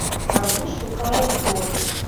Гарбуз шукае ў торбе.